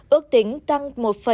ước tính tăng